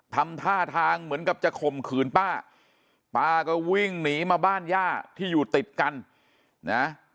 ทำท่าทางเหมือนกับจะข่มขืนป้าป้าก็วิ่งหนีมาบ้านย่าที่อยู่ติดกันนะ